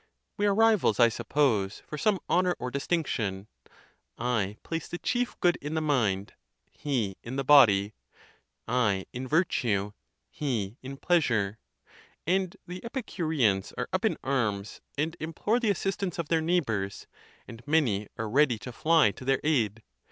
We are rivals, 1 suppose, for some honor or distinction. I place the chief good in the mind, he in the body; I in vir tue, he in pieasure; and the Epicureans are up in arms, and implore the assistance of their neighbors, and many are ready to fly to their aid.